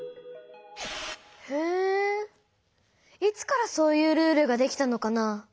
へえいつからそういうルールができたのかな？